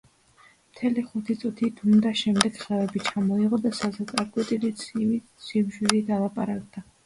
მთელი ხუთი წუთი დუმდა. შემდეგ ხელები ჩამოიღო და სასოწარკვეთილი ცივი სიმშვიდით ალაპარაკდა.